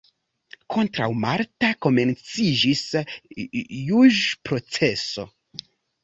Kontraŭ Marta komenciĝis juĝproceso.